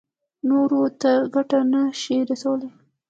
نورو ته ګټه نه شي رسولی.